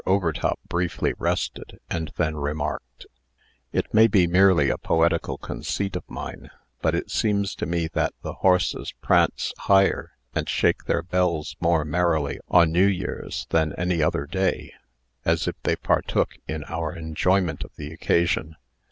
Overtop briefly rested, and then remarked: "It may be merely a poetical conceit of mine, but it seems to me that the horses prance higher, and shake their bells more merrily on New Year's than any other day, as if they partook in our enjoyment of the occasion.